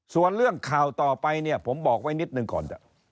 ส่วนเรื่องข่าวต่อไปเนี่ยผมบอกไว้นิดหนึ่งก่อน